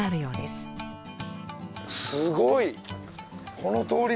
すごい！